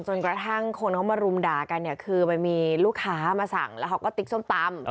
จนกระทั่งคนเขามารุมด่ากันเนี่ยคือมันมีลูกค้ามาสั่งแล้วเขาก็ติ๊กส้มตำ